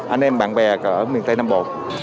anh em bạn bè ở miền tây nam bộ